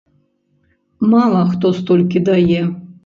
Мала хто столькі дае.